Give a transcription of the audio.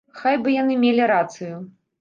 Хай бы яны мелі рацыю.